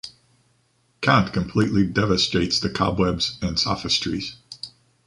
Kant completely devastates the cobwebs and sophistries.